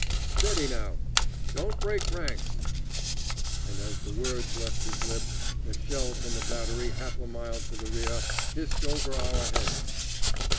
Steady now! don't break ranks!" And as the words left his lips a shell from a battery half a mile to the rear hissed over our heads.